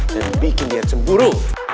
dan bikin dia cemburu